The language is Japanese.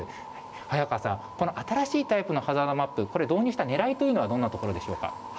早川さん、この新しいタイプのハザードマップ、これ、導入したねらいというのはどういうところでしょうか。